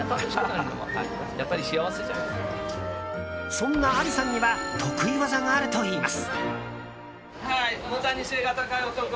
そんなアリさんには得意技があるといいます。